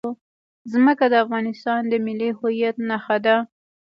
ځمکه د افغانستان د ملي هویت نښه ده.